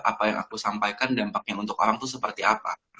apa yang aku sampaikan dampaknya untuk orang itu seperti apa